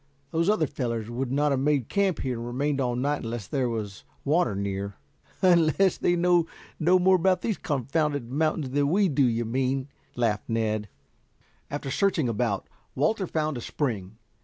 Those other fellows would not have made camp here and remained all night unless there was water near " "Unless they know no more about these confounded mountains than we do, you mean?" laughed Ned. After some searching about, Walter found a spring.